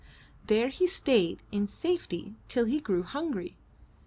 There he stayed in safety till he grew hungry.